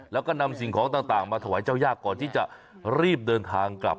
แล้วก็นำสิ่งของต่างมาถวายเจ้ายากก่อนที่จะรีบเดินทางกลับ